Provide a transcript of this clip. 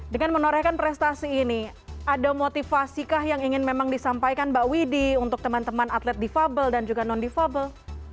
dengan menorehkan prestasi ini ada motivasikah yang ingin memang disampaikan mbak widi untuk teman teman atlet difabel dan juga non difabel